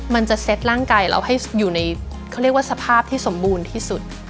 มันจะเซ็ตร่างกายเราให้อยู่ในเขาเรียกว่าสภาพที่สมบูรณ์ที่สุด